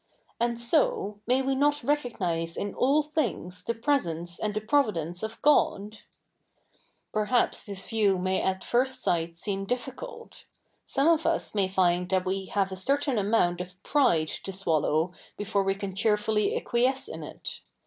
And so, may we 7iot recognise in all things the presence and the providence of God ?' Perhaps this view may at first sight seem difficult. Some of us may fifid that we have a certai?i amount of pride to szvallow before zve can cheerfully acquiesce i?i it.